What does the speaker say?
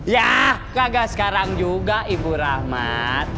yah kagak sekarang juga ibu rahman